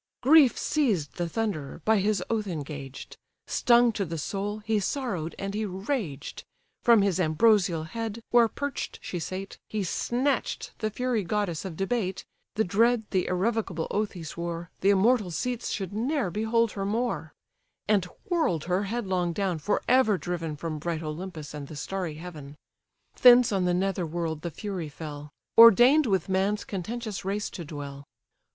Grief seized the Thunderer, by his oath engaged; Stung to the soul, he sorrow'd, and he raged. From his ambrosial head, where perch'd she sate, He snatch'd the fury goddess of debate, The dread, the irrevocable oath he swore, The immortal seats should ne'er behold her more; And whirl'd her headlong down, for ever driven From bright Olympus and the starry heaven: Thence on the nether world the fury fell; Ordain'd with man's contentious race to dwell.